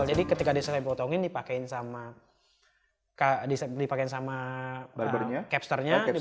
jadi ketika disampel dipotongin dipakein sama capsternya